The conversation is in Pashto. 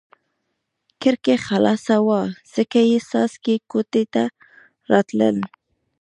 کړکۍ خلاصه وه ځکه یې څاڅکي کوټې ته راتلل.